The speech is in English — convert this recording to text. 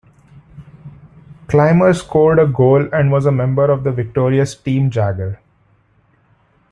Clymer scored a goal and was a member of the victorious "Team Jagr".